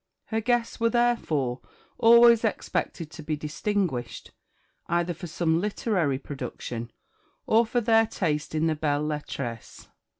Her guests were therefore, always expected to be distinguished, either for some literary production or for their taste in the _belles lettres.